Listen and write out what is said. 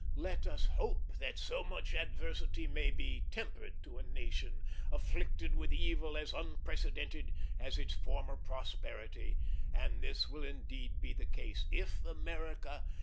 "Let us hope that so much adversity may be tempered to a nation, afflicted with evil as unprecedented as its former prosperity; and this will indeed be the case if America